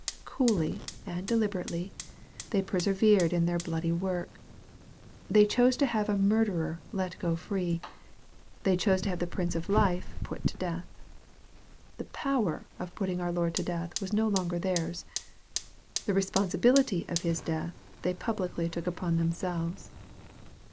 Coolly and deliberately they persevered in their bloody work. They chose to have a murderer let go free. They chose to have the Prince of Life put to death. The power of putting our Lord to death was no longer theirs. The responsibility of His death they pub" licly took upon themselves.